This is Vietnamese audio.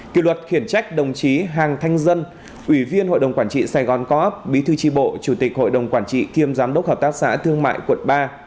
kỷ luật khiển trách đồng chí hàng thanh dân ủy viên hội đồng quản trị sài gòn co op bí thư tri bộ chủ tịch hội đồng quản trị kiêm giám đốc hợp tác xã thương mại quận ba